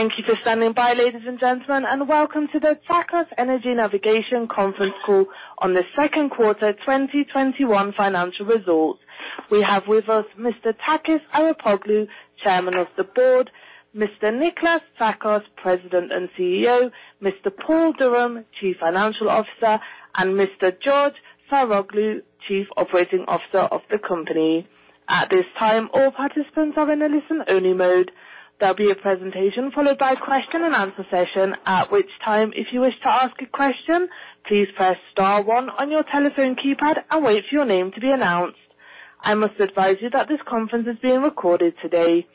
Thank you for standing by, ladies and gentlemen, and welcome to the Tsakos Energy Navigation conference call on the second quarter 2021 financial results. We have with us Mr. Takis Arapoglou, Chairman of the Board, Mr. Nikolas Tsakos, President and CEO, Mr. Paul Durham, Chief Financial Officer, and Mr. George V. Saroglou, Chief Operating Officer of the company. At this time, all participants are in a listen-only mode. There'll be a presentation followed by a question and answer session, at which time, if you wish to ask a question, please press star one on your telephone keypad and wait for your name to be announced. I must advise you that this conference is being recorded today.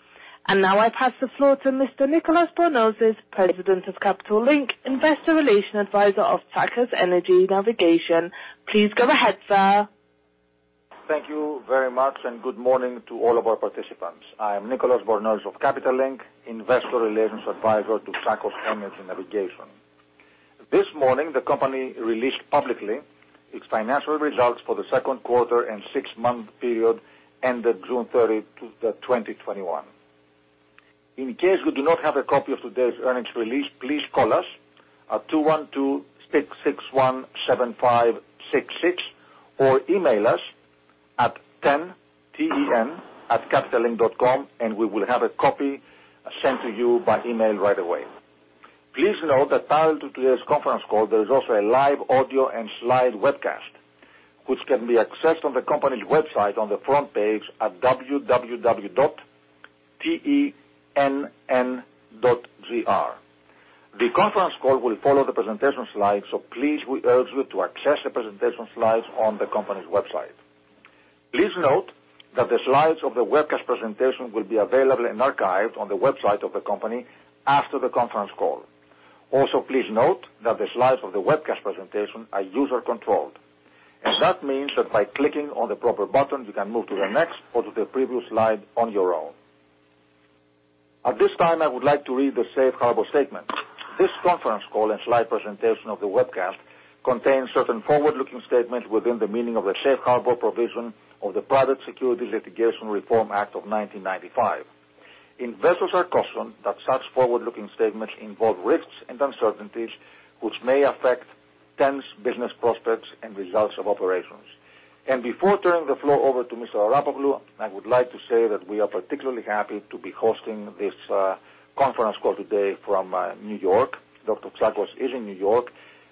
Now I pass the floor to Mr. Nicolas Bornozis, President of Capital Link, Investor Relations Advisor of Tsakos Energy Navigation. Please go ahead, sir. Thank you very much. Good morning to all of our participants. I am Nicolas Bornozis of Capital Link, Investor Relations Advisor to Tsakos Energy Navigation. This morning, the company released publicly its financial results for the second quarter and six month period ended June 30, 2021. In case you do not have a copy of today's earnings release, please call us at 212-661-7566 or email us at ten, T-E-N, @capitallink.com. We will have a copy sent to you by email right away. Please note that parallel to today's conference call, there is also a live audio and slide webcast which can be accessed on the company's website on the front page at www.tenn.gr. The conference call will follow the presentation slides. Please, we urge you to access the presentation slides on the company's website. Please note that the slides of the webcast presentation will be available and archived on the website of the company after the conference call. Please note that the slides of the webcast presentation are user controlled. That means that by clicking on the proper button, you can move to the next or to the previous slide on your own. At this time, I would like to read the Safe Harbor statement. This conference call and slide presentation of the webcast contains certain forward-looking statements within the meaning of the Safe Harbor Provision of the Private Securities Litigation Reform Act of 1995. Investors are cautioned that such forward-looking statements involve risks and uncertainties, which may affect TEN's business prospects and results of operations. Before turning the floor over to Mr. Arapoglou, I would like to say that we are particularly happy to be hosting this conference call today from New York. Dr. Tsakos is in New York,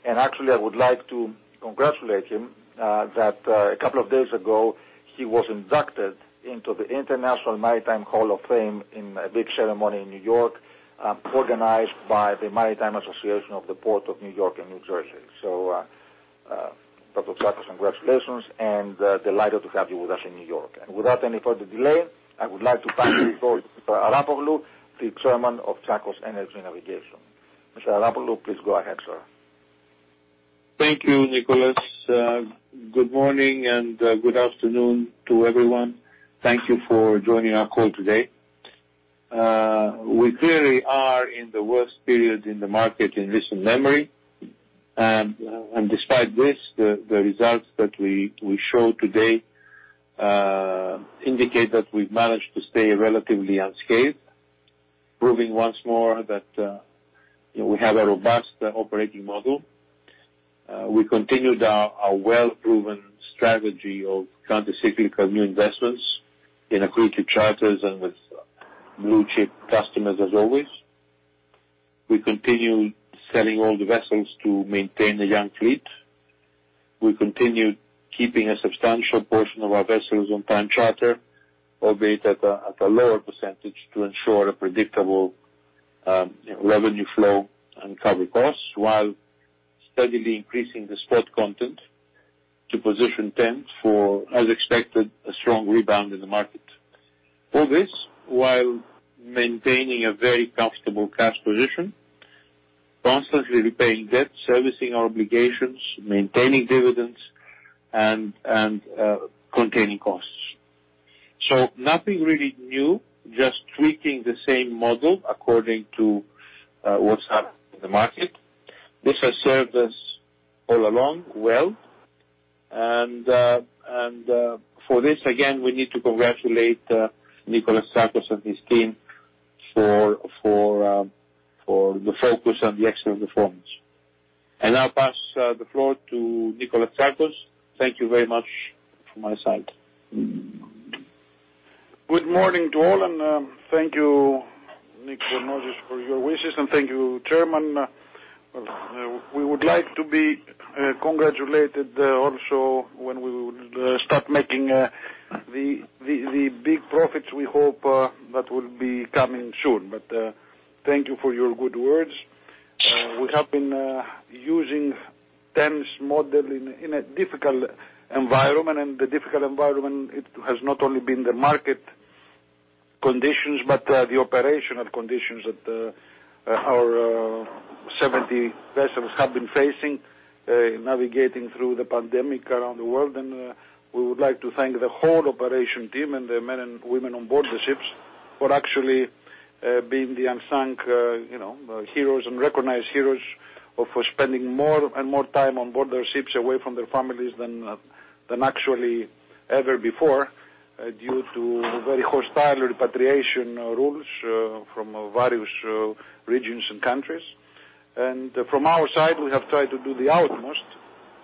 and actually, I would like to congratulate him, that a couple of days ago, he was inducted into the International Maritime Hall of Fame in a big ceremony in New York, organized by the Maritime Association of the Port of New York and New Jersey. Dr. Tsakos, congratulations, and delighted to have you with us in New York. Without any further delay, I would like to turn to Mr. Arapoglou, the Chairman of Tsakos Energy Navigation. Mr. Arapoglou, please go ahead, sir. Thank you, Nicolas. Good morning and good afternoon to everyone. Thank you for joining our call today. We clearly are in the worst period in the market in recent memory. Despite this, the results that we show today indicate that we've managed to stay relatively unscathed, proving once more that we have a robust operating model. We continued our well-proven strategy of countercyclical new investments in accrued to charters and with blue chip customers as always. We continue selling older vessels to maintain a young fleet. We continue keeping a substantial portion of our vessels on time charter, albeit at a lower percentage to ensure a predictable revenue flow and cover costs while steadily increasing the spot content to position TEN for, as expected, a strong rebound in the market. All this while maintaining a very comfortable cash position, constantly repaying debt, servicing our obligations, maintaining dividends, and containing costs. Nothing really new, just tweaking the same model according to what's happening in the market. This has served us all along well. For this, again, we need to congratulate Nikolas Tsakos and his team for the focus and the excellent performance. I now pass the floor to Nikolas Tsakos. Thank you very much from my side. Good morning to all. Thank you, Nicolas Bornozis, for your wishes. Thank you, Chairman. We would like to be congratulated also when we would start making the big profits we hope that will be coming soon. Thank you for your good words. We have been using TEN's model in a difficult environment. The difficult environment, it has not only been the market conditions but the operational conditions that our 70 vessels have been facing, navigating through the pandemic around the world. We would like to thank the whole operation team and the men and women on board the ships for actually being the unsung heroes and recognized heroes for spending more and more time on board their ships away from their families than actually ever before. Due to very hostile repatriation rules from various regions and countries. From our side, we have tried to do the utmost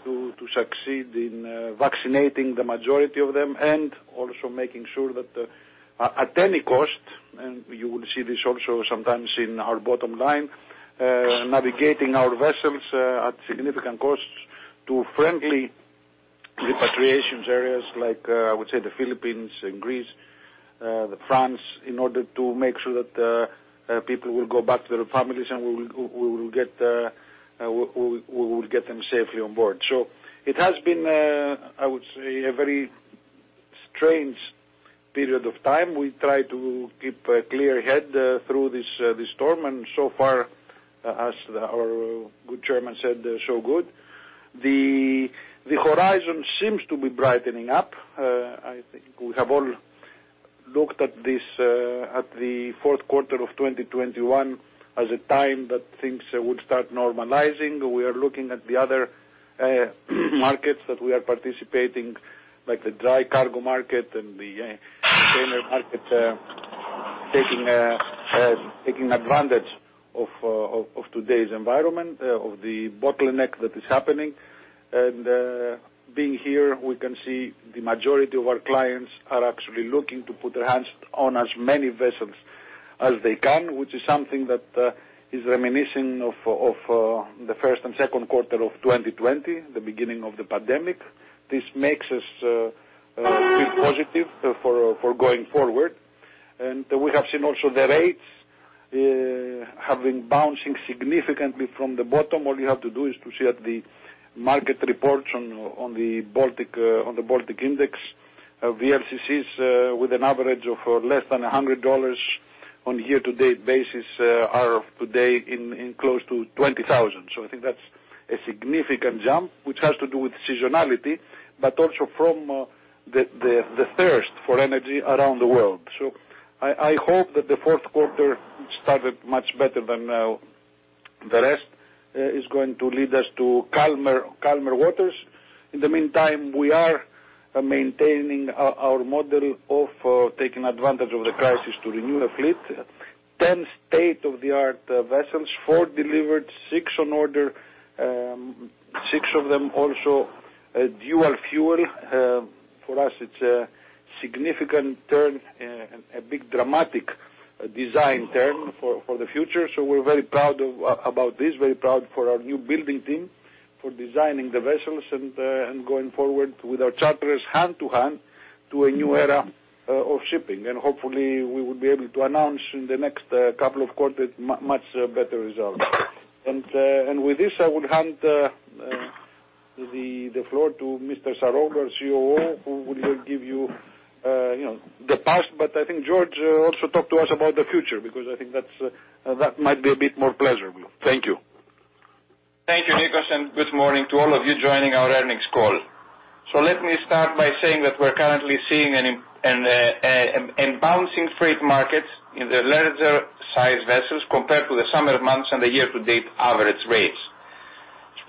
to succeed in vaccinating the majority of them and also making sure that at any cost, and you will see this also sometimes in our bottom line, navigating our vessels at significant costs to friendly repatriations areas like I would say the Philippines and Greece, France, in order to make sure that people will go back to their families and we will get them safely on board. It has been, I would say, a very strange period of time. We try to keep a clear head through this storm, and so far, as our good chairman said, so good. The horizon seems to be brightening up. We have all looked at the fourth quarter of 2021 as a time that things would start normalizing. We are looking at the other markets that we are participating, like the dry cargo market and the container market, taking advantage of today's environment, of the bottleneck that is happening. Being here, we can see the majority of our clients are actually looking to put their hands on as many vessels as they can, which is something that is reminiscent of the first and second quarter of 2020, the beginning of the pandemic. This makes us feel positive for going forward. We have seen also the rates have been bouncing significantly from the bottom. All you have to do is to see at the market reports on the Baltic Index. VLCCs with an average of less than $100 on year-to-date basis are today in close to $20,000. I think that's a significant jump, which has to do with seasonality, but also from the thirst for energy around the world. I hope that the fourth quarter started much better than the rest. It's going to lead us to calmer waters. In the meantime, we are maintaining our model of taking advantage of the crisis to renew a fleet. 10 state-of-the-art vessels, four delivered, six on order, six of them also dual fuel. For us, it's a significant turn, a big dramatic design turn for the future. We're very proud about this, very proud for our new building team, for designing the vessels and going forward with our charterers hand to hand to a new era of shipping. Hopefully, we will be able to announce in the next couple of quarters much better results. With this, I would hand the floor to Mr. Saroglou, COO, who will give you the past, but I think George also talked to us about the future because I think that might be a bit more pleasurable. Thank you. Thank you, Nicolas, good morning to all of you joining our earnings call. Let me start by saying that we're currently seeing an imbalancing freight market in the larger size vessels compared to the summer months and the year-to-date average rates.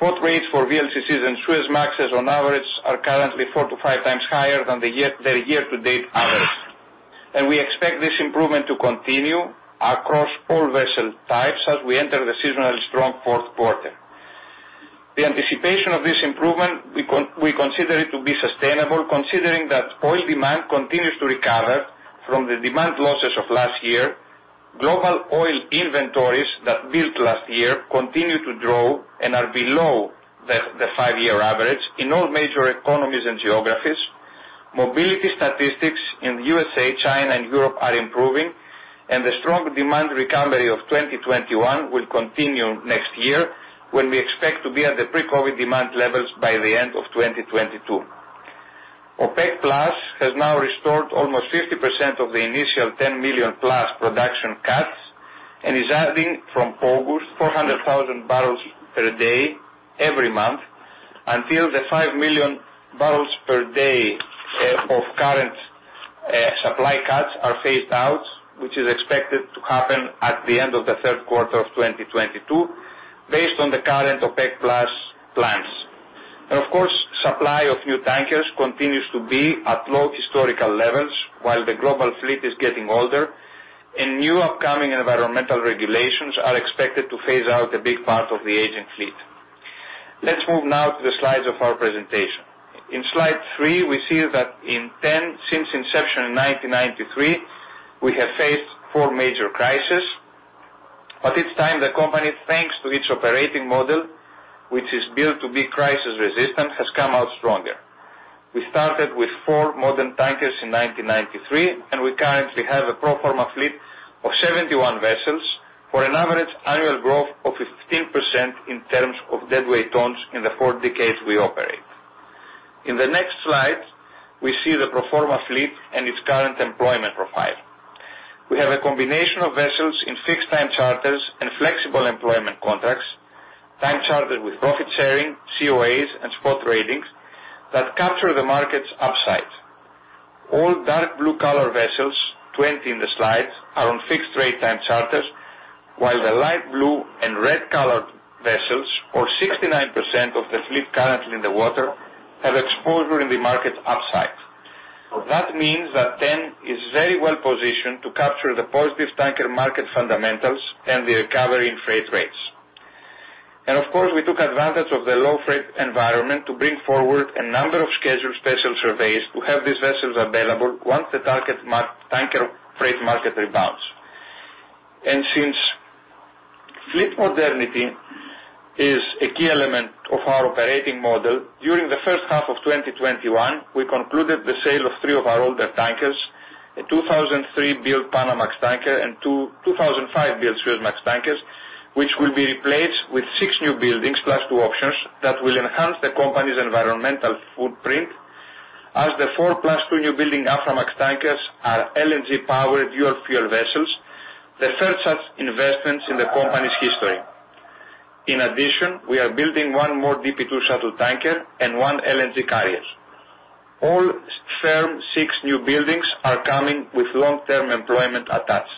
Spot rates for VLCCs and Suezmaxes on average are currently four to five times higher than their year-to-date average. We expect this improvement to continue across all vessel types as we enter the seasonally strong fourth quarter. The anticipation of this improvement, we consider it to be sustainable, considering that oil demand continues to recover from the demand losses of last year. Global oil inventories that built last year continue to draw and are below the five-year average in all major economies and geographies. Mobility statistics in the U.S.A., China and Europe are improving, and the strong demand recovery of 2021 will continue next year, when we expect to be at the pre-COVID demand levels by the end of 2022. OPEC+ has now restored almost 50% of the initial 10 million+ production cuts and is adding from August 400,000 bbl per day every month until the 5 million bbl per day of current supply cuts are phased out, which is expected to happen at the end of the third quarter of 2022, based on the current OPEC+ plans. Of course, supply of new tankers continues to be at low historical levels while the global fleet is getting older, and new upcoming environmental regulations are expected to phase out a big part of the aging fleet. Let's move now to the slides of our presentation. In slide three, we see that since inception in 1993, we have faced four major crises. Each time, the company, thanks to its operating model, which is built to be crisis-resistant, has come out stronger. We started with four modern tankers in 1993, and we currently have a pro forma fleet of 71 vessels for an average annual growth of 15% in terms of deadweight tons in the four decades we operate. In the next slide, we see the pro forma fleet and its current employment profile. We have a combination of vessels in fixed time charters and flexible employment contracts, time charter with profit sharing, COAs, and spot rates that capture the market's upside. All dark blue color vessels, 20 in the slide, are on fixed-rate time charters. While the light blue and red-colored vessels, or 69% of the fleet currently in the water, have exposure in the market upside. That means that TEN is very well-positioned to capture the positive tanker market fundamentals and the recovery in freight rates. Of course, we took advantage of the low freight environment to bring forward a number of scheduled special surveys to have these vessels available once the tanker freight market rebounds. Since fleet modernity is a key element of our operating model, during the first half of 2021, we concluded the sale of three of our older tankers, a 2003-built Panamax tanker and two 2005-built Aframax tankers, which will be replaced with six new buildings plus two options that will enhance the company's environmental footprint as the four plus two new building Aframax tankers are LNG-powered dual fuel vessels, the first such investments in the company's history. In addition, we are building one more DP2 shuttle tanker and one LNG carrier. All firm six new buildings are coming with long-term employment attached.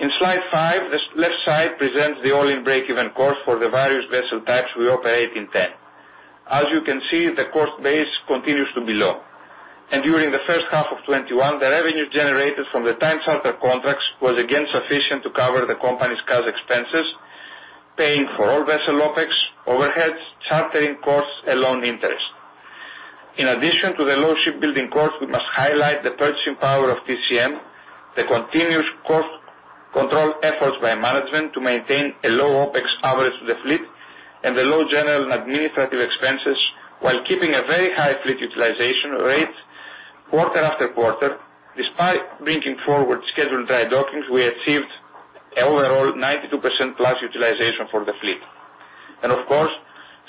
In slide five, the left side presents the all-in break-even cost for the various vessel types we operate in TEN. As you can see, the cost base continues to be low. During the first half of 2021, the revenue generated from the time charter contracts was again sufficient to cover the company's cash expenses, paying for all vessel OpEx, overheads, chartering costs and loan interest. In addition to the low shipbuilding costs, we must highlight the purchasing power of TCM, the continuous cost control efforts by management to maintain a low OpEx average to the fleet, and the low general and administrative expenses while keeping a very high fleet utilization rate quarter after quarter. Despite bringing forward scheduled dry dockings, we achieved overall 92%+ utilization for the fleet. Of course,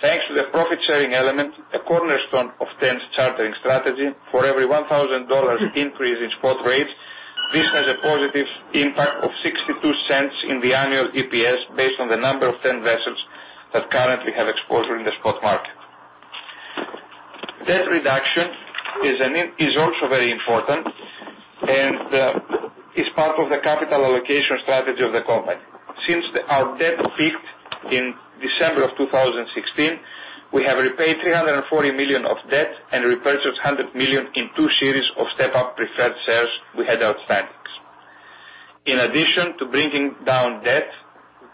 thanks to the profit-sharing element, a cornerstone of TEN's chartering strategy, for every $1,000 increase in spot rates, this has a positive impact of $0.62 in the annual EPS based on the number of TEN vessels that currently have exposure in the spot market. Debt reduction is also very important and is part of the capital allocation strategy of the company. Since our debt peaked in December of 2016, we have repaid $340 million of debt and repurchased $100 million in two series of step-up preferred shares we had outstandings. In addition to bringing down debt,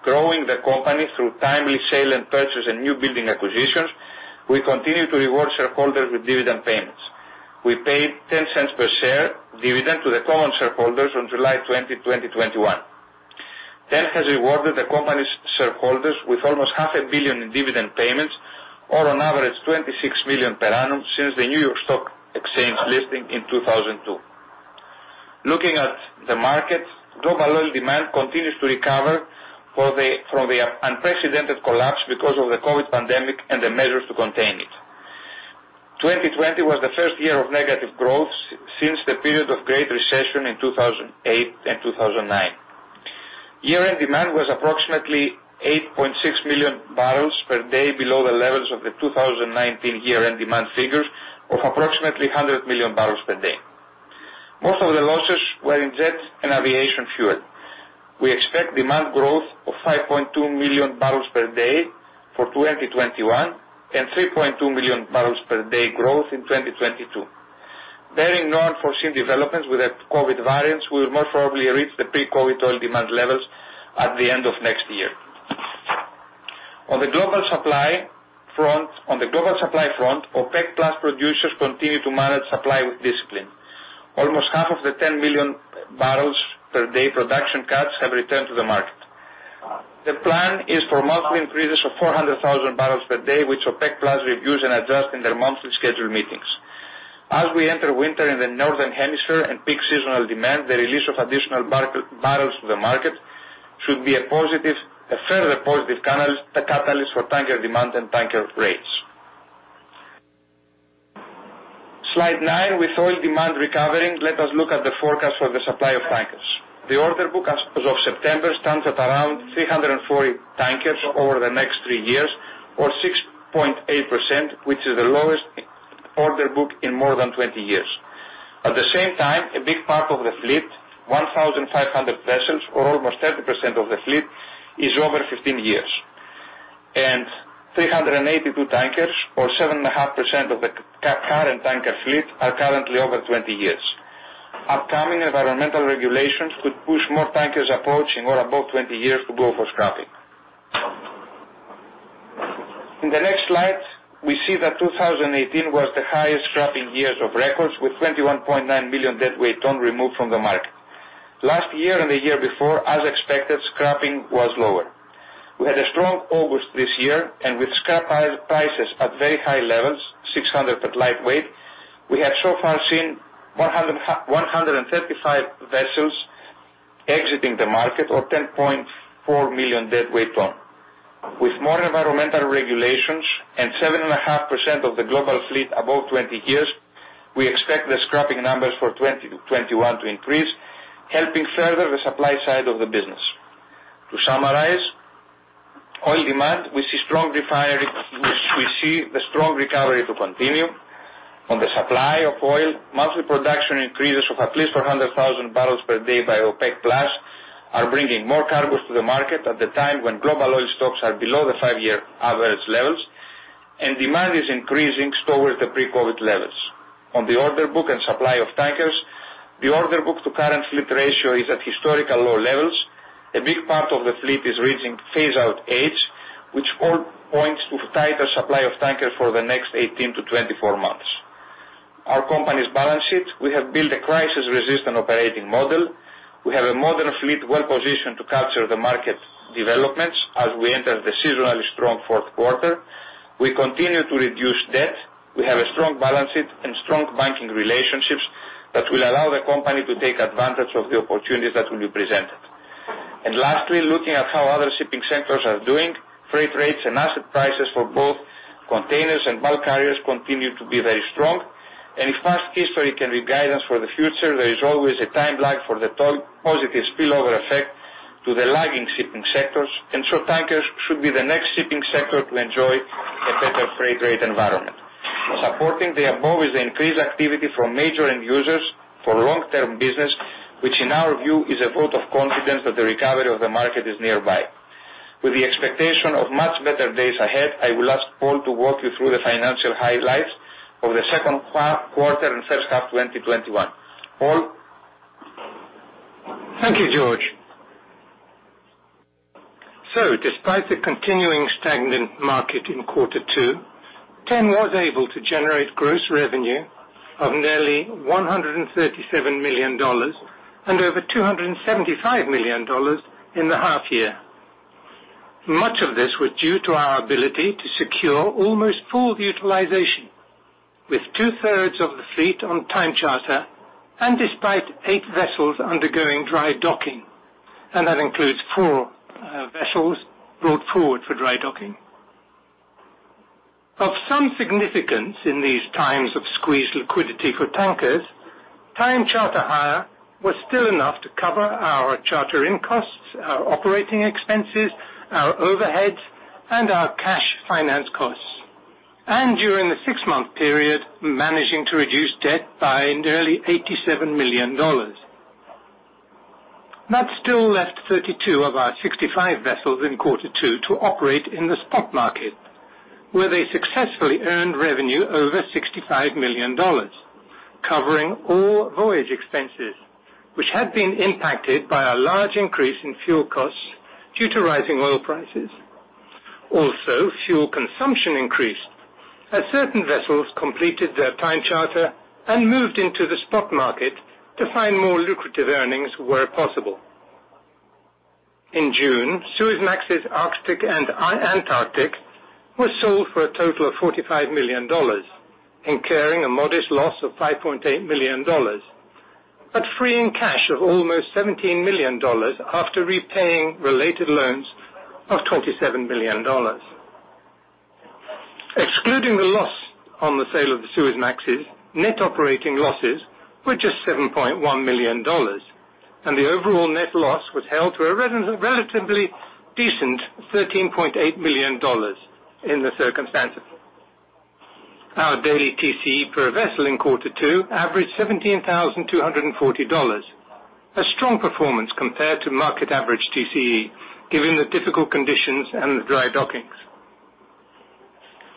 growing the company through timely sale and purchase and new building acquisitions, we continue to reward shareholders with dividend payments. We paid $0.10 per share dividend to the common shareholders on July 20, 2021. TEN has rewarded the company's shareholders with almost $500 million in dividend payments or on average $26 million per annum since the New York Stock Exchange listing in 2002. Looking at the market, global oil demand continues to recover from the unprecedented collapse because of the COVID pandemic and the measures to contain it. 2020 was the first year of negative growth since the period of Great Recession in 2008 and 2009. Year-end demand was approximately 8.6 million bbl per day below the levels of the 2019 year-end demand figures of approximately 100 million bbl per day. Most of the losses were in jet and aviation fuel. We expect demand growth of 5.2 million bbl per day for 2021 and 3.2 million bbl per day growth in 2022. Barring unforeseen developments with the COVID variants, we will most probably reach the pre-COVID oil demand levels at the end of next year. On the global supply front, OPEC+ producers continue to manage supply with discipline. Almost half of the 10 million bbl per day production cuts have returned to the market. The plan is for monthly increases of 400,000 bbl per day, which OPEC+ reviews and adjust in their monthly scheduled meetings. As we enter winter in the northern hemisphere and peak seasonal demand, the release of additional barrels to the market should be a further positive catalyst for tanker demand and tanker rates. Slide nine. With oil demand recovering, let us look at the forecast for the supply of tankers. The order book as of September stands at around 340 tankers over the next three years or 6.8%, which is the lowest order book in more than 20 years. At the same time, a big part of the fleet, 1,500 vessels or almost 30% of the fleet, is over 15 years, and 382 tankers or 7.5% of the current tanker fleet are currently over 20 years. Upcoming environmental regulations could push more tankers approaching or above 20 years to go for scrapping. In the next slide, we see that 2018 was the highest scrapping years of records with 21.9 million deadweight ton removed from the market. Last year and the year before, as expected, scrapping was lower. We had a strong August this year, and with scrap prices at very high levels, $600 at lightweight, we have so far seen 135 vessels exiting the market or 10.4 million deadweight ton. With more environmental regulations and 7.5% of the global fleet above 20 years, we expect the scrapping numbers for 2021 to increase, helping further the supply side of the business. To summarize, demand, we see the strong recovery to continue. On the supply of oil, monthly production increases of at least 400,000 bbl per day by OPEC+ are bringing more cargoes to the market at the time when global oil stocks are below the five year average levels, and demand is increasing towards the pre-COVID levels. On the order book and supply of tankers, the order book to current fleet ratio is at historical low levels. A big part of the fleet is reaching phase-out age, which all points to tighter supply of tankers for the next 18-24 months. Our company's balance sheet, we have built a crisis-resistant operating model. We have a modern fleet well-positioned to capture the market developments as we enter the seasonally strong fourth quarter. We continue to reduce debt. We have a strong balance sheet and strong banking relationships that will allow the company to take advantage of the opportunities that will be presented. Lastly, looking at how other shipping sectors are doing, freight rates and asset prices for both containers and bulk carriers continue to be very strong. If past history can be guidance for the future, there is always a time lag for the positive spillover effect to the lagging shipping sectors. Tankers should be the next shipping sector to enjoy a better freight rate environment. Supporting the above is the increased activity from major end users for long-term business, which in our view is a vote of confidence that the recovery of the market is nearby. With the expectation of much better days ahead, I will ask Paul to walk you through the financial highlights of the second quarter and first half 2021. Paul? Thank you, George. Despite the continuing stagnant market in quarter two, TEN was able to generate gross revenue of nearly $137 million and over $275 million in the half year. Much of this was due to our ability to secure almost full utilization with two-thirds of the fleet on time charter and despite eight vessels undergoing dry docking, and that includes four vessels brought forward for dry docking. Of some significance in these times of squeezed liquidity for tankers, time charter hire was still enough to cover our charter-in costs, our operating expenses, our overheads, and our cash finance costs. During the six-month period, managing to reduce debt by nearly $87 million. That still left 32 of our 65 vessels in Q2 to operate in the spot market, where they successfully earned revenue over $65 million, covering all voyage expenses, which had been impacted by a large increase in fuel costs due to rising oil prices. Fuel consumption increased as certain vessels completed their time charter and moved into the spot market to find more lucrative earnings where possible. In June, Suezmax Arctic and Antarctic were sold for a total of $45 million, incurring a modest loss of $5.8 million, but freeing cash of almost $17 million after repaying related loans of $27 million. Excluding the loss on the sale of the Suezmaxes, net operating losses were just $7.1 million, and the overall net loss was held to a relatively decent $13.8 million in the circumstances. Our daily TCE per vessel in Q2 averaged $17,240. A strong performance compared to market average TCE, given the difficult conditions and the dry dockings.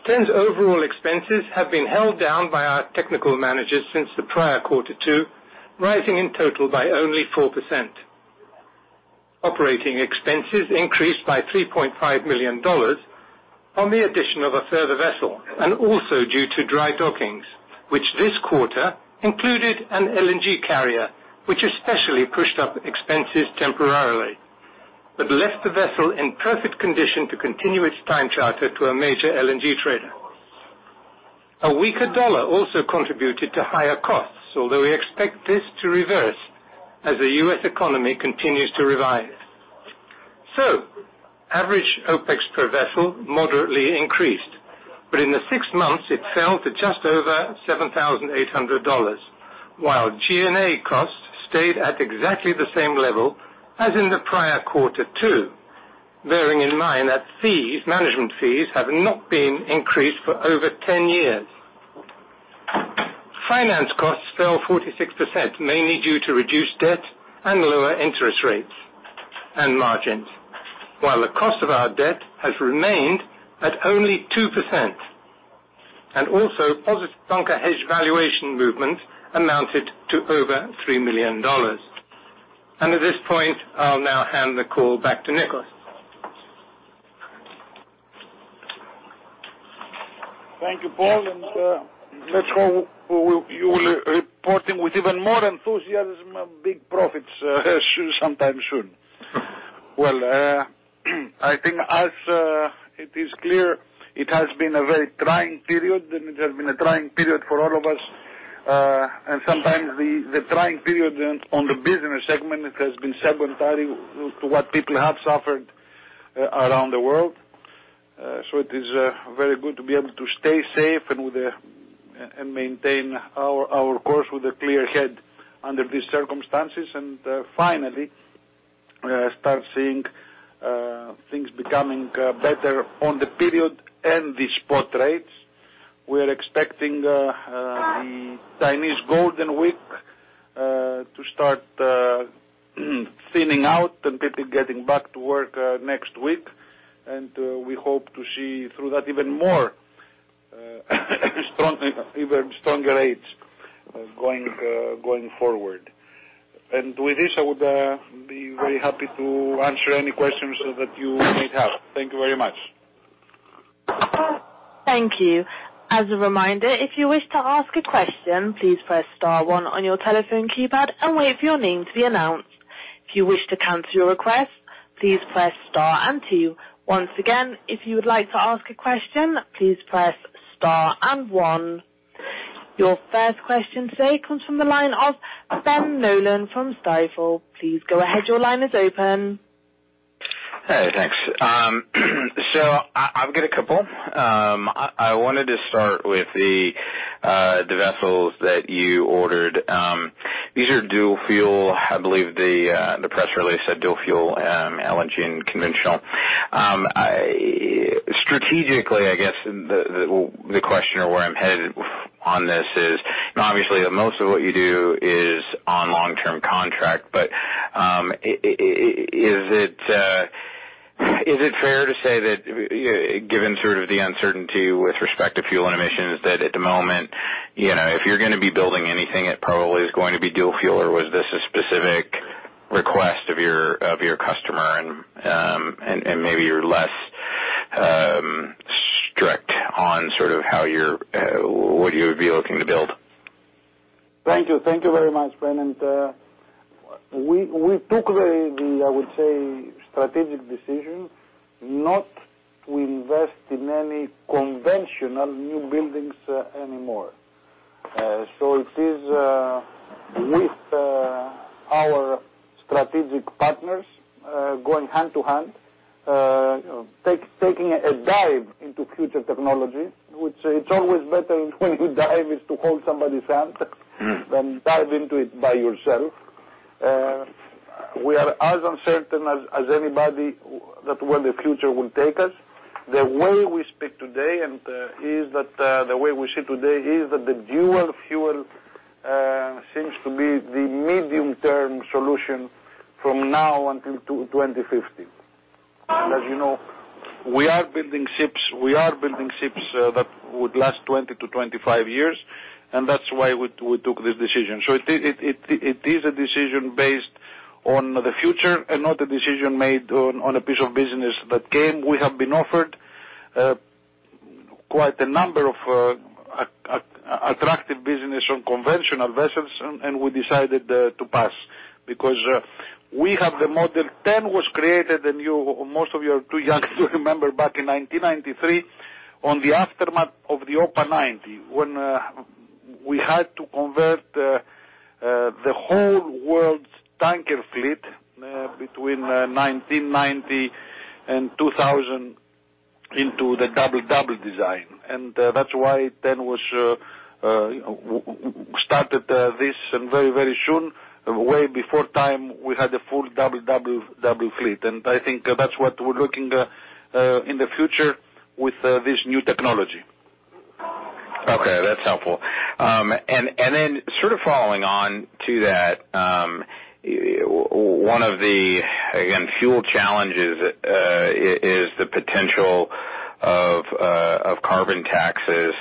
TEN's overall expenses have been held down by our technical managers since the prior quarter two, rising in total by only 4%. Operating expenses increased by $3.5 million on the addition of a further vessel and also due to dry dockings, which this quarter included an LNG carrier, which especially pushed up expenses temporarily, but left the vessel in perfect condition to continue its time charter to a major LNG trader. A weaker dollar also contributed to higher costs, although we expect this to reverse as the U.S. economy continues to revive. Average OpEx per vessel moderately increased, but in the six months, it fell to just over $7,800, while G&A costs stayed at exactly the same level as in the prior quarter two, bearing in mind that management fees have not been increased for over 10 years. Finance costs fell 46%, mainly due to reduced debt and lower interest rates and margins. While the cost of our debt has remained at only 2%, and also positive bunker hedge valuation movements amounted to over $3 million. At this point, I'll now hand the call back to Nikos. Thank you, Paul. Let's hope you will be reporting with even more enthusiasm of big profits sometime soon. Well, I think as it is clear, it has been a very trying period, and it has been a trying period for all of us. Sometimes the trying period on the business segment has been secondary to what people have suffered around the world. It is very good to be able to stay safe and with and maintain our course with a clear head under these circumstances. Finally, start seeing things becoming better on the period and the spot rates. We're expecting the Chinese Golden Week to start thinning out and people getting back to work next week. We hope to see through that even more, even stronger rates going forward. With this, I would be very happy to answer any questions that you might have. Thank you very much. Thank you as a reminder. If you wish to ask a question, please press star one on your telephone keypad and wait for your name to be announced. If you wish to cancel your request, please press star and two. Once again if you would like to ask a question, please press star and one. Your first question today comes from the line of Ben Nolan from Stifel. Please go ahead. Your line is open. Hey, thanks. I've got a couple. I wanted to start with the vessels that you ordered. These are dual fuel, I believe the press release said dual fuel LNG and conventional. Strategically, I guess, the question or where I'm headed on this is, obviously most of what you do is on long-term contract, but is it fair to say that given sort of the uncertainty with respect to fuel and emissions, that at the moment, if you're going to be building anything, it probably is going to be dual fuel? Or was this a specific request of your customer and maybe you're less strict on sort of what you would be looking to build? Thank you. Thank you very much, Ben. We took the strategic decision not to invest in any conventional new buildings anymore. It is with our strategic partners going hand to hand, taking a dive into future technology. Which it's always better when you dive, is to hold somebody's hand than dive into it by yourself. We are as uncertain as anybody that where the future will take us. The way we speak today, and the way we see today is that the dual-fuel seems to be the medium-term solution from now until 2050. As you know, we are building ships that would last 20 to 25 years, and that's why we took this decision. It is a decision based on the future and not a decision made on a piece of business that came. We have been offered quite a number of attractive business on conventional vessels, and we decided to pass. We have the Model TEN was created, and most of you are too young to remember back in 1993 on the aftermath of the OPA 90, when we had to convert the whole world's tanker fleet between 1990 and 2000 into the double design. That's why TEN was started this and very, very soon, way before time, we had a full double fleet. I think that's what we're looking in the future with this new technology. Okay, that's helpful. Sort of following on to that, one of the, again, fuel challenges is the potential of carbon taxes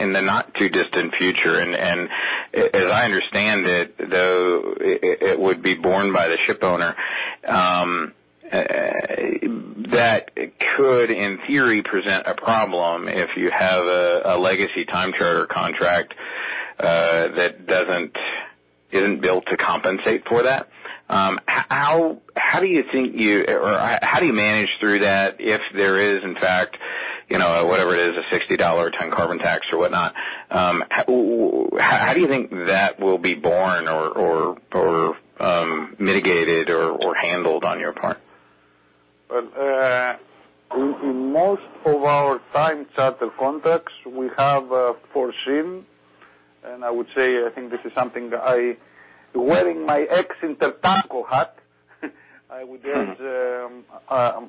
in the not too distant future. As I understand it, though it would be borne by the ship owner that could, in theory, present a problem if you have a legacy time charter contract that isn't built to compensate for that. How do you manage through that if there is, in fact, whatever it is, a $60 a ton carbon tax or whatnot? How do you think that will be borne or mitigated or handled on your part? Well, in most of our time charter contracts, we have foreseen, and I would say, I think this is something that I, wearing my ex-INTERTANKO hat, I would urge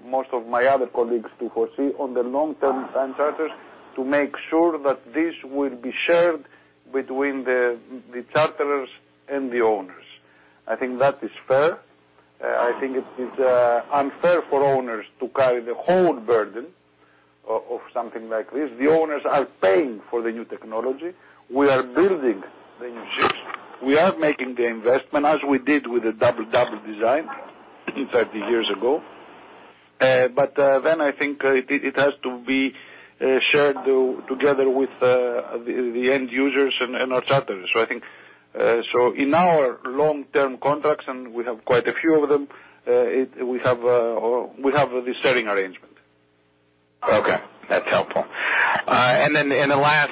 most of my other colleagues to foresee on the long-term time charters to make sure that this will be shared between the charterers and the owners. I think that is fair. I think it is unfair for owners to carry the whole burden of something like this. The owners are paying for the new technology. We are building the new ships. We are making the investment, as we did with the double design 30 years ago. I think it has to be shared together with the end users and our charterers. In our long-term contracts, and we have quite a few of them, we have this sharing arrangement. Okay, that's helpful. The last,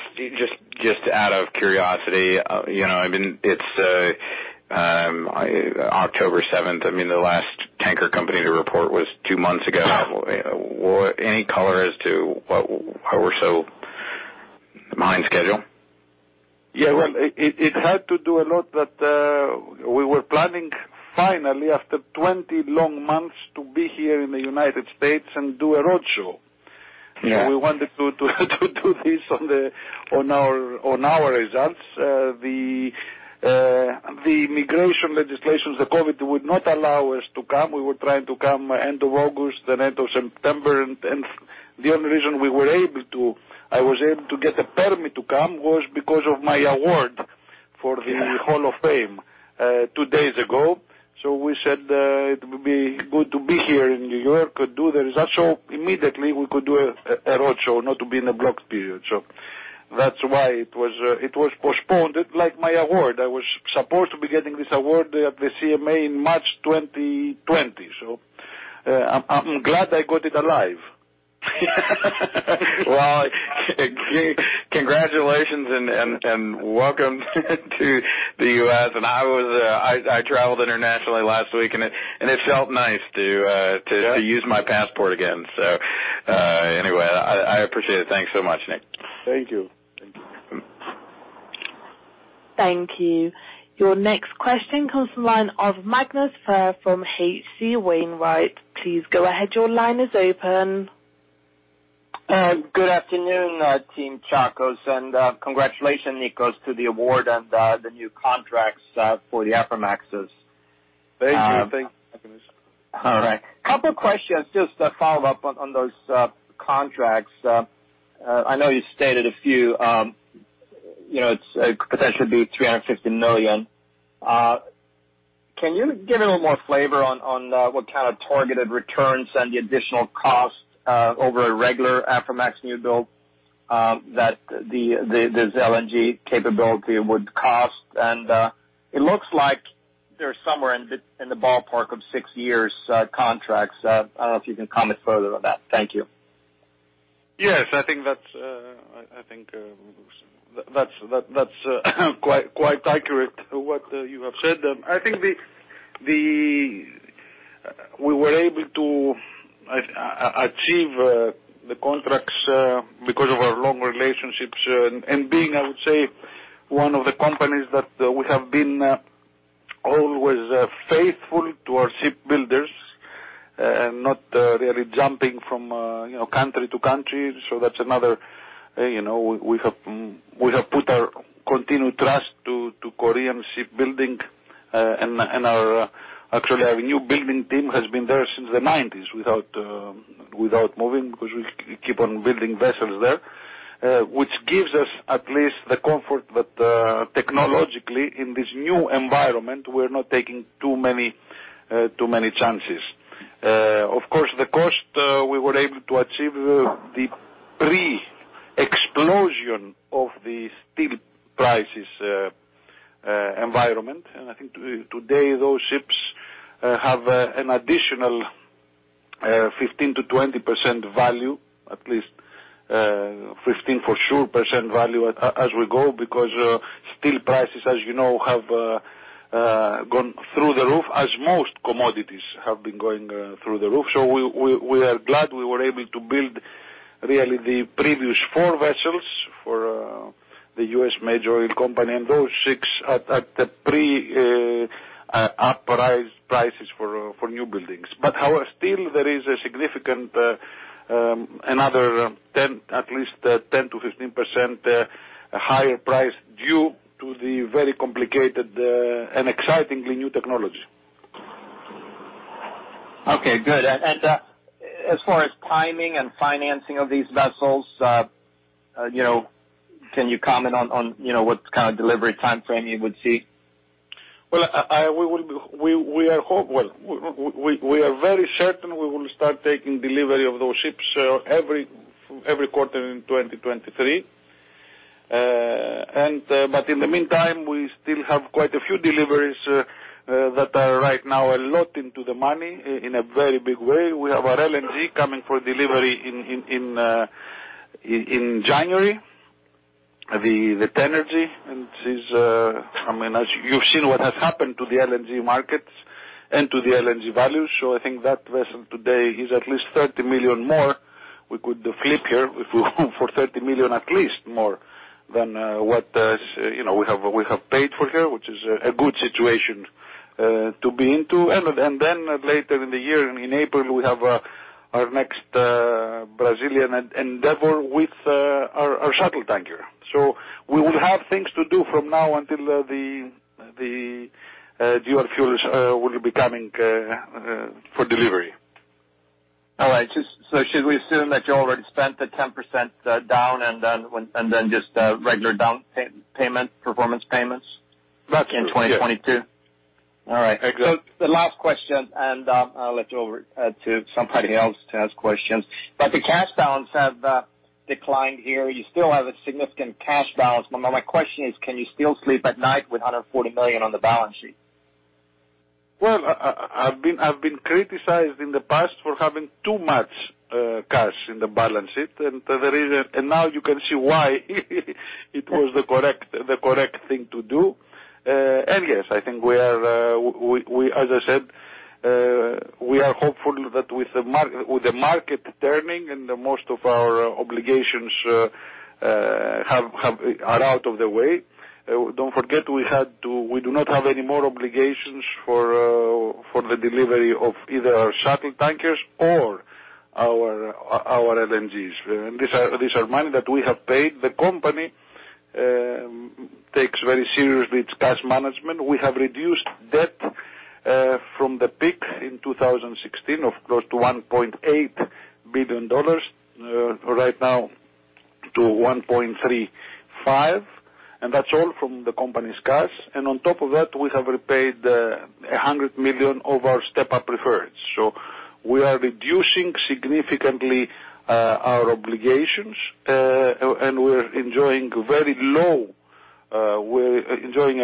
just out of curiosity, it's October 7th. The last tanker company to report was two months ago. Any color as to why we're so behind schedule? Well, it had to do a lot that we were planning finally after 20 long months to be here in the U.S. and do a road show. Yeah. We wanted to do this on our results. The immigration legislations, the COVID would not allow us to come. We were trying to come end of August, then end of September. The only reason we were able to, I was able to get a permit to come was because of my award for the Hall of Fame two days ago. We said it would be good to be here in New York and do the result show immediately. We could do a road show not to be in a blocked period. That's why it was postponed, like my award. I was supposed to be getting this award at the CMA in March 2020. I'm glad I got it alive. Well, congratulations and welcome to the U.S. I traveled internationally last week, and it felt nice to. Yeah. To use my passport again. Anyway, I appreciate it. Thanks so much, Nick. Thank you. Thank you. Your next question comes from the line of Magnus Fyhr from H.C. Wainwright. Please go ahead. Your line is open. Good afternoon, Team Tsakos, and congratulations, Nikolas, to the award and the new contracts for the Aframaxes. Thank you. Thank you, Magnus. All right, a couple of questions just to follow up on those contracts. I know you stated a few, it could potentially be $350 million. Can you give a little more flavor on what kind of targeted returns and the additional costs over a regular Aframax new build that this LNG capability would cost? It looks like they're somewhere in the ballpark of six years contracts. I don't know if you can comment further on that. Thank you. Yes, I think that's quite accurate what you have said. I think we were able to achieve the contracts because of our long relationships and being, I would say, one of the companies that we have been always faithful to our shipbuilders and not really jumping from country to country. That's another, we have put our continued trust to Korean shipbuilding. Actually, our new building team has been there since the '90s without moving because we keep on building vessels there, which gives us at least the comfort that technologically in this new environment, we're not taking too many chances. The cost we were able to achieve the pre-explosion of the steel prices environment. I think today those ships have an additional 15%-20% value, at least 15% for sure value as we go because steel prices as you know have gone through the roof as most commodities have been going through the roof. We are glad we were able to build really the previous four vessels for the U.S. major oil company and those six at the pre-up prices for new buildings. However, still there is a significant another at least 10%-15% higher price due to the very complicated and excitingly new technology. Okay, good. As far as timing and financing of these vessels, can you comment on what kind of delivery timeframe you would see? We are very certain we will start taking delivery of those ships every quarter in 2023. In the meantime, we still have quite a few deliveries that are right now a lot into the money in a very big way. We have our LNG coming for delivery in January, the Neo Energy. You've seen what has happened to the LNG markets and to the LNG values. I think that vessel today is at least $30 million more. We could flip here for $30 million at least more than what we have paid for her, which is a good situation to be into. Later in the year, in April, we have our next Brazilian endeavor with our shuttle tanker. We will have things to do from now until the dual fuels will be coming for delivery. All right. Should we assume that you already spent the 10% down and then just regular down payment performance payments in 2022? Yes. All right. Exactly. The last question, and I'll let you over to somebody else to ask questions. The cash balance has declined here. You still have a significant cash balance. My question is, can you still sleep at night with $140 million on the balance sheet? I’ve been criticized in the past for having too much cash in the balance sheet, now you can see why it was the correct thing to do. Yes, as I said, we are hopeful that with the market turning, most of our obligations are out of the way. Don’t forget we do not have any more obligations for the delivery of either our shuttle tankers or our LNGs. These are money that we have paid. The company takes very seriously its cash management. We have reduced debt from the peak in 2016 of close to $1.8 billion, right now to $1.35 billion. That’s all from the company’s cash. On top of that, we have repaid $100 million of our step-up preferreds. We are reducing significantly our obligations, and we’re enjoying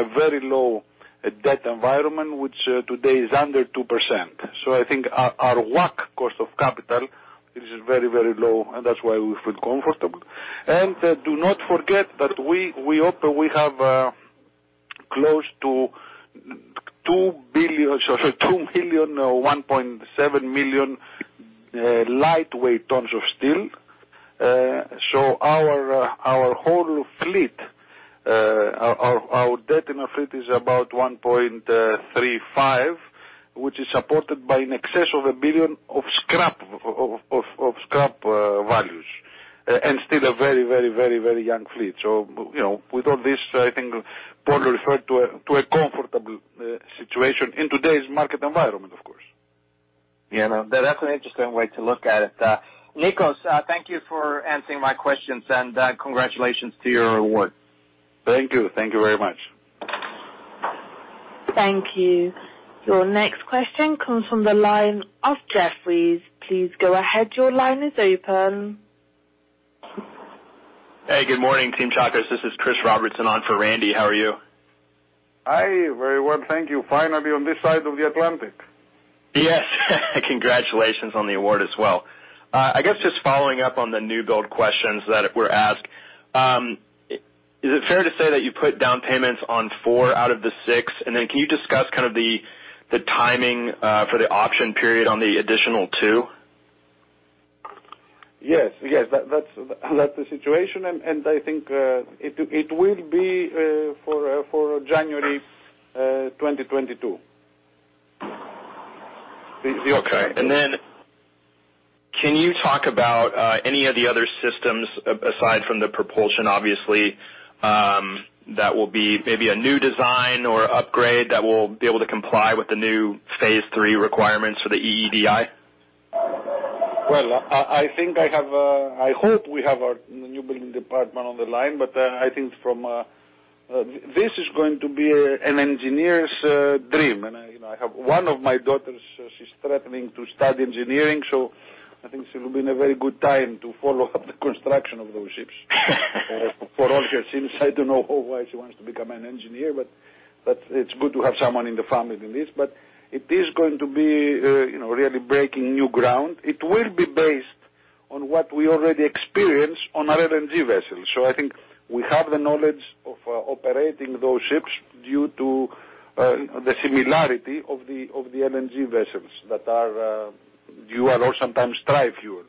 a very low debt environment, which today is under 2%. I think our WACC cost of capital is very low, and that’s why we feel comfortable. Do not forget that we have close to 2 million or 1.7 million lightweight tons of steel. Our debt in our fleet is about $1.35 billion, which is supported by in excess of $1 billion of scrap values. Still a very young fleet. With all this, I think Paul referred to a comfortable situation in today’s market environment, of course. Yeah. No, that’s an interesting way to look at it. Nikolas, thank you for answering my questions, and congratulations to your award. Thank you. Thank you very much. Thank you. Your next question comes from the line of Jefferies. Please go ahead. Your line is open. Hey, good morning, Team Tsakos. This is Chris Robertson on for Randy. How are you? Hi. Very well. Thank you. Finally, on this side of the Atlantic. Yes. Congratulations on the award as well. I guess just following up on the new build questions that were asked. Is it fair to say that you put down payments on four out of the six? Can you discuss the timing for the option period on the additional two? Yes. That’s the situation, and I think it will be for January 2022. Okay. Can you talk about any of the other systems aside from the propulsion, obviously that will be maybe a new design or upgrade that will be able to comply with the new phase III requirements for the EEDI? I hope we have our new building department on the line. I think this is going to be an engineer’s dream. I have one of my daughters, she’s threatening to study engineering, I think she will be in a very good time to follow up the construction of those ships for all her sins. I don’t know why she wants to become an engineer, it’s good to have someone in the family in this. It is going to be really breaking new ground. It will be based on what we already experience on our LNG vessels. I think we have the knowledge of operating those ships due to the similarity of the LNG vessels that are dual or sometimes tri-fuel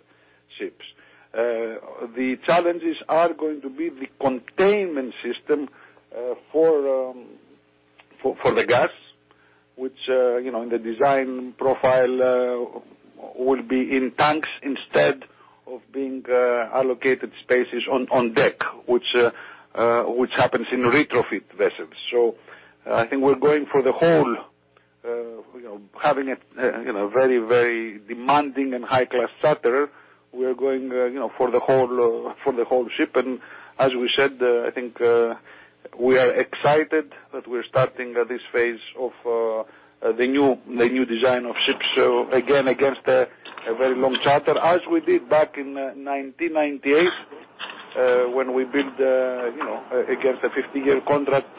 ships. The challenges are going to be the containment system for the gas, which in the design profile, will be in tanks instead of being allocated spaces on deck, which happens in retrofit vessels. I think we’re going for the whole, having a very demanding and high-class charter. We are going for the whole ship. As we said, I think we are excited that we’re starting this phase of the new design of ships. Again, against a very long charter, as we did back in 1998 when we built, against a 50-year contract,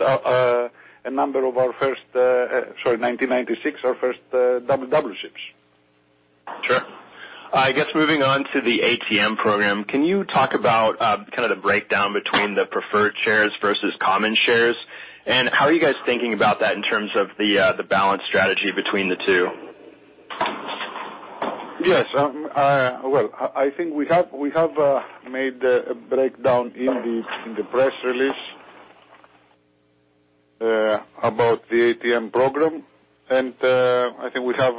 a number of our 1996, our first double ships. Sure. I guess moving on to the ATM program, can you talk about the breakdown between the preferred shares versus common shares? How are you guys thinking about that in terms of the balance strategy between the two? Yes. Well, I think we have made a breakdown in the press release about the ATM program. I think we have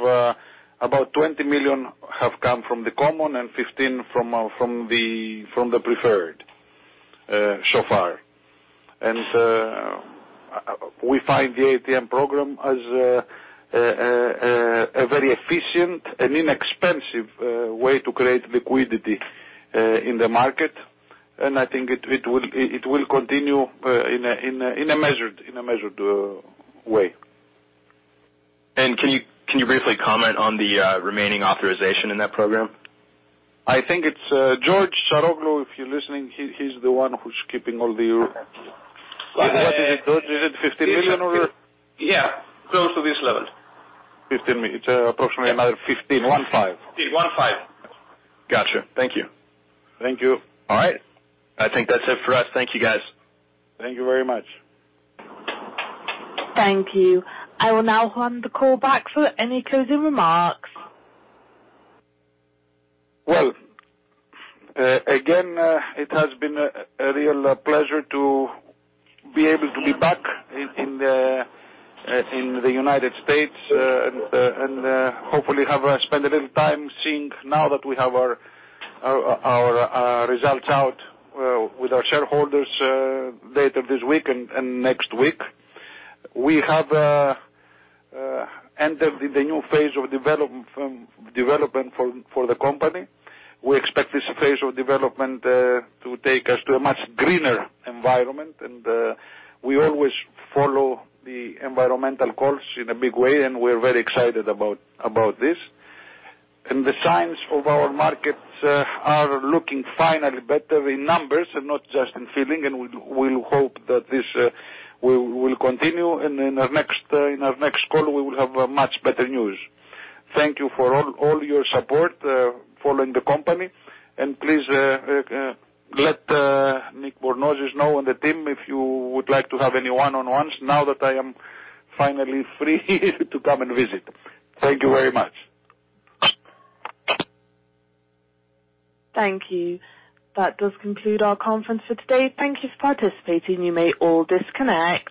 about $20 million have come from the common and $15 from the preferred so far. We find the ATM program as a very efficient and inexpensive way to create liquidity in the market, and I think it will continue in a measured way. Can you briefly comment on the remaining authorization in that program? I think it’s George Saroglou, if you’re listening, he’s the one who’s keeping all the. Is it George? Is it $15 million or? Yeah, close to this level. It's approximately another 15. 15. Got you. Thank you. Thank you. All right. I think that’s it for us. Thank you, guys. Thank you very much. Thank you. I will now hand the call back for any closing remarks. Again, it has been a real pleasure to be able to be back in the United States and hopefully have spent a little time seeing now that we have our results out with our shareholders later this week and next week. We have entered the new phase of development for the company. We expect this phase of development to take us to a much greener environment, and we always follow the environmental course in a big way, and we're very excited about this. The signs of our markets are looking finally better in numbers and not just in feeling, and we'll hope that this will continue, and in our next call, we will have much better news. Thank you for all your support following the company, and please let Nicolas Bornozis know and the team if you would like to have any one-on-ones now that I am finally free to come and visit. Thank you very much. Thank you. That does conclude our conference for today. Thank you for participating. You may all disconnect.